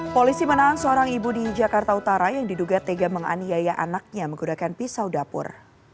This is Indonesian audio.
polisi menahan seorang ibu di jakarta utara yang diduga tega menganiaya anaknya menggunakan pisau dapur